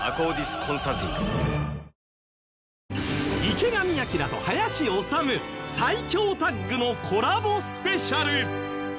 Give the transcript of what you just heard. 池上彰と林修最強タッグのコラボスペシャル